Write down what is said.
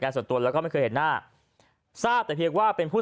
ส่วนตัวแล้วก็ไม่เคยเห็นหน้าทราบแต่เพียงว่าเป็นผู้